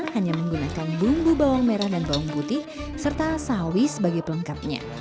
hanya menggunakan bumbu bawang merah dan bawang putih serta sawi sebagai pelengkapnya